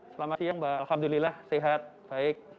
selamat siang mbak alhamdulillah sehat baik